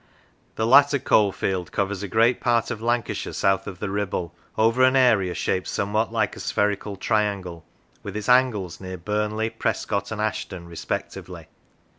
The latter coalfield covers a great part of Lancashire south of the Ribble, over an area shaped somewhat like a spherical triangle, with its angles near Burnley, Prescot, and Ashton respectively.